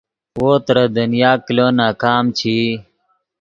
وو ترے دنیا کلو ناکام چے ای